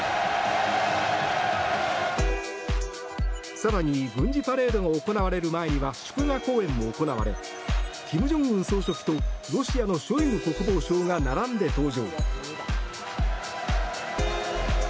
更に軍事パレードが行われる前には祝賀公演も行われ金正恩総書記とロシアのショイグ国防相が並んで登場。